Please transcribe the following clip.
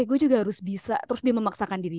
gue juga harus bisa terus dia memaksakan diri